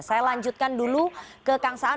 saya lanjutkan dulu ke kang saan